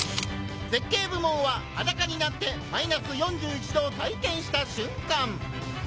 「絶景部門」は裸になって−４１度を体験した瞬間！